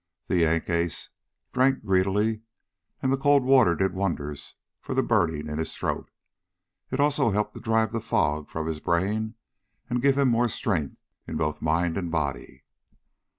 The Yank ace drank greedily, and the cold water did wonders for the burning in his throat. It also helped to drive the fog from his brain, and give him more strength in both mind and body.